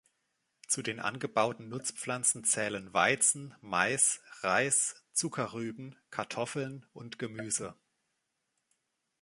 Zu den angebauten Nutzpflanzen zählen Weizen, Mais, Reis, Zuckerrüben, Kartoffeln und Gemüse.